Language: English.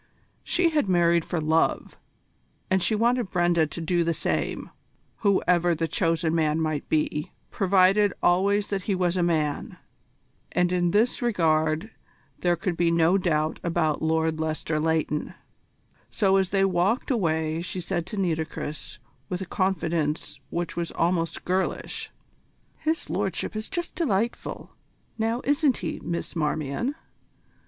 She had married for love, and she wanted Brenda to do the same, whoever the chosen man might be, provided always that he was a man and in this regard there could be no doubt about Lord Lester Leighton; so as they walked away she said to Nitocris with a confidence which was almost girlish: "His Lordship is just delightful now, isn't he, Miss Marmion?